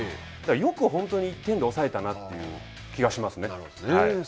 よく本当に１点で抑えたなという気がしますね。